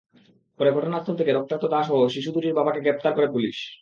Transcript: পরে ঘটনাস্থল থেকে রক্তাক্ত দাসহ শিশু দুটির বাবাকে গ্রেপ্তার করে পুলিশ।